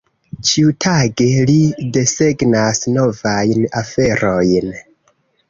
Ĉiutage, ri desegnas novajn aferojn.